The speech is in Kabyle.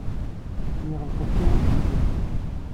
Yeɣleq-d tawwurt fell-i.